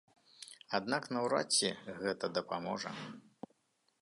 Аднак наўрад ці гэта дапаможа.